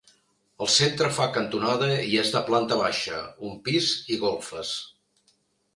El centre fa cantonada i és de planta baixa, un pis i golfes.